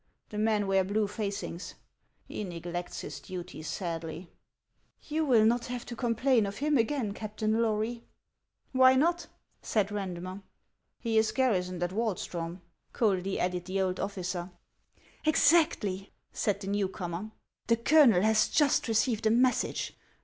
The men wear blue facings. He neglects his duty sadly." " You will not have to complain of him again, Captain Lory." " Why not ?" said Randmer. " He is garrisoned at Wahlstrom," coldly added the old officer. " Exactly," said the new comer ;" the colonel has just received a message.